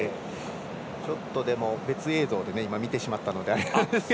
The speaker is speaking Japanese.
ちょっと別映像で見てしまったので。